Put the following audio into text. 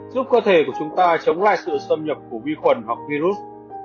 giúp cơ thể của chúng ta chống lại sự xâm nhập của vi khuẩn hoặc virus